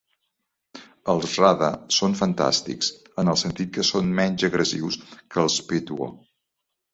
Els Rada són "fantàstics" en el sentit que són menys agressius que els Petwo.